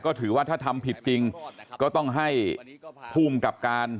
ก็ถือว่าถ้าทำผิดจริงก็ต้องให้ภูมิกับการ